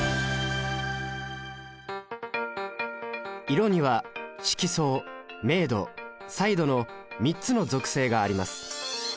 色には色相明度彩度の３つの属性があります。